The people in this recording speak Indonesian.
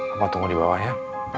papa tunggu di bawah ya